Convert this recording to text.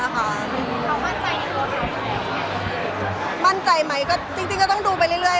ก็จริงก็ต้องดูไปเรื่อย